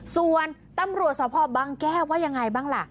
ส่วนตำรวจสภบางแก้วว่ายังไงบ้างล่ะ